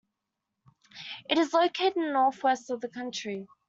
It is located in the northwest of the country.